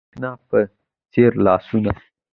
د برېښنا په څیر لاسونه